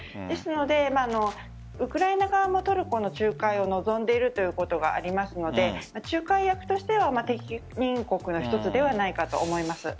ですのでウクライナ側もトルコの仲介を望んでいるということがありますので仲介役としては適任国の一つではないかと思います。